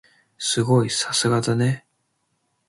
すごい！さすがだね。